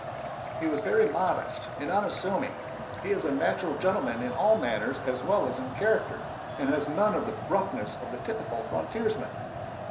"He was very modest and unassuming. He is a natural gentleman in his manners as well as in character, and has none of the roughness of the typical frontiersman.